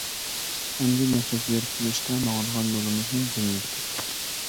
ئەمدى مەكتەپكە بېرىپ كېلىشتە ماڭىدىغان يولىمىزمۇ بۆلۈنۈپ كەتتى.